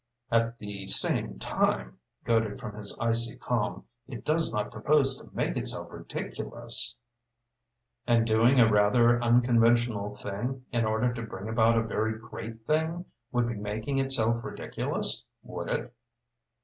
"At the same time," goaded from his icy calm "it does not propose to make itself ridiculous!" "And doing a rather unconventional thing, in order to bring about a very great thing, would be making itself ridiculous, would it?"